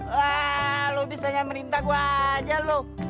wah lu bisa ngemeninta gua aja lu